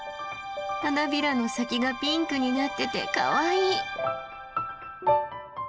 花びらの先がピンクになっててかわいい。